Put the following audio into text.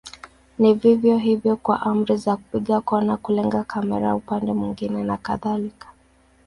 Ni vivyo hivyo kwa amri za kupiga kona, kulenga kamera upande mwingine na kadhalika.